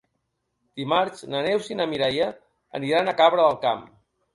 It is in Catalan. Dimarts na Neus i na Mireia aniran a Cabra del Camp.